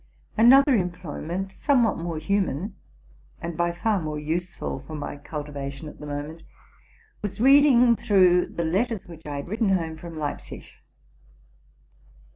Another employment, somewhat more human, and by far more useful for my cultivation at the moment, was reading through the letters which I had written home from Leipzig.